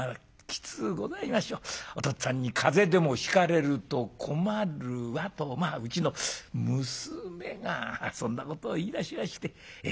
お父っつぁんに風邪でもひかれると困るわ』とまあうちの娘がそんなことを言いだしましてえ